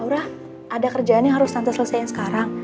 aura ada kerjaan yang harus tante selesaikan sekarang